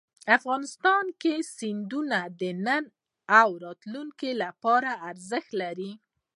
افغانستان کې سیندونه د نن او راتلونکي لپاره ارزښت لري.